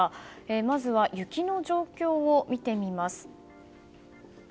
まずは雪の状況を見てみます。